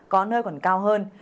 có nơi còn cao hơn